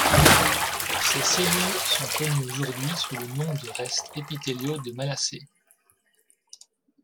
Ces cellules sont connues aujourd'hui sous le nom de restes épithéliaux de Malassez.